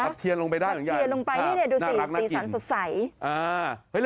ปัดเทียงลงไปดูสีสันสะใส